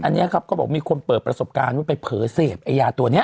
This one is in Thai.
อันนี้ครับก็บอกมีคนเปิดประสบการณ์ว่าไปเผลอเสพไอยาตัวนี้